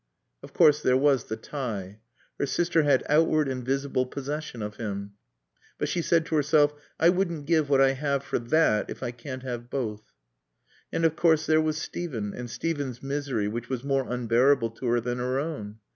Of course, there was the tie. Her sister had outward and visible possession of him. But she said to herself "I wouldn't give what I have for that, if I can't have both." And of course there was Steven, and Steven's misery which was more unbearable to her than her own.